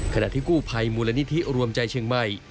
ขณะที่กู้ภัยมูลนิธิรวมใจเชียงใหม่